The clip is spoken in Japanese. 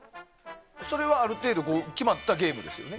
それは、ある程度決まったゲームですよね？